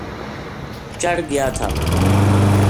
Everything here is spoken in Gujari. چڑھ گیا تھا